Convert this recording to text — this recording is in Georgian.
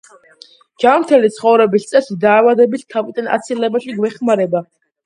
ჯანმრთელი ცხოვრების წესი დაავადებების თავიდან აცილებაში გვეხმარება.